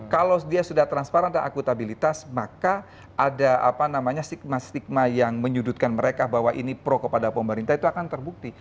kalau dia sudah transparan dan akutabilitas maka ada stigma stigma yang menyudutkan mereka bahwa ini pro kepada pemerintah itu akan terbukti